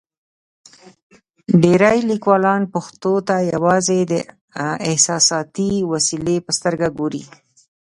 ډېری لیکوالان پښتو ته یوازې د احساساتي وسیلې په سترګه ګوري.